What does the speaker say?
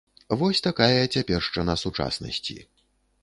Вось такая цяпершчына сучаснасці.